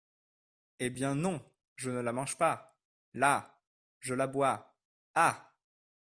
Eh, bien non ! je ne la mange pas ! là ! je la bois ! ah !